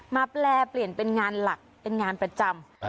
แปลเปลี่ยนเป็นงานหลักเป็นงานประจำ